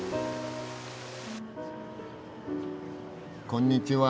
こんにちは。